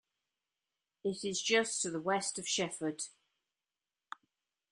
It is just to the west of Shefford.